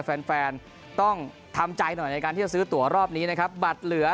แฟนแฟนต้องทำใจหน่อยในการที่จะซื้อตัวรอบนี้นะครับบัตรเหลือ